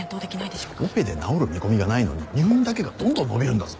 オペで治る見込みがないのに入院だけがどんどん延びるんだぞ。